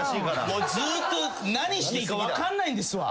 もうずっと何していいか分かんないんですわ。